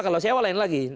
kalau sewa lain lagi